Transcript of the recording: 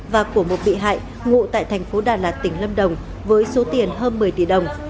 và của một bị hại ngụ tại thành phố đà lạt tỉnh lâm đồng với số tiền hơn một mươi tỷ đồng